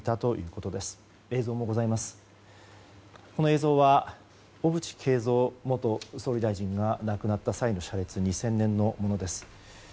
この映像は小渕恵三元総理大臣が亡くなった際の車列２０００年のものです。